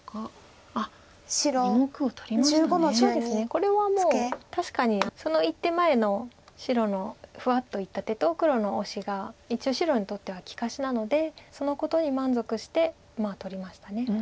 これはもう確かにその１手前の白のふわっといった手と黒のオシが一応白にとっては利かしなのでそのことに満足して取りました。